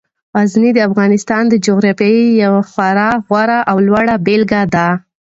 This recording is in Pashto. غزني د افغانستان د جغرافیې یوه خورا غوره او لوړه بېلګه ده.